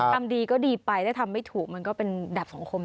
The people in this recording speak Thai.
ทำดีก็ดีไปถ้าทำไม่ถูกมันก็เป็นดับสังคม